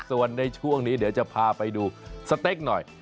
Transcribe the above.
ส่วนในช่วงนี้เดี๋ยวจะพาไปดูสเต็กหน่อย